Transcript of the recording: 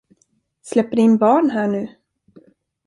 Släpper ni in barn här nu?